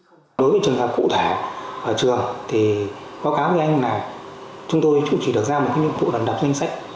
đối với trường trung học cụ thể ở trường thì có cáo với anh là chúng tôi cũng chỉ được giao một nhiệm vụ đầm đập danh sách